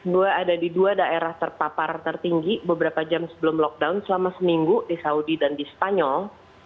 dua ada di dua daerah terpapar tertinggi beberapa jam sebelum lockdown selama seminggu di saudi dan di spanyol